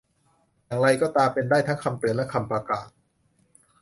อย่างไรก็ตาม เป็นได้ทั้งคำเตือนและคำประกาศ